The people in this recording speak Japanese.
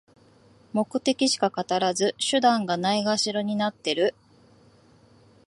目的しか語らず、手段がないがしろになってる